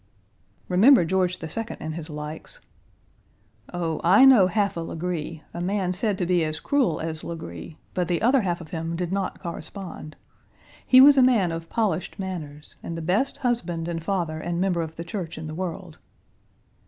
" Remember George II. and his likes." "Oh, I know half a Legree a man said to be as cruel as Legree, but the other half of him did not correspond. He was a man of polished manners, and the best husband and father and member of the church in the world."